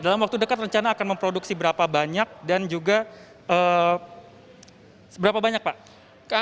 dalam waktu dekat rencana akan memproduksi berapa banyak dan juga seberapa banyak pak